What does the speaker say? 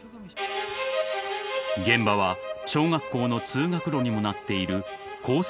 ［現場は小学校の通学路にもなっている交差点の側道］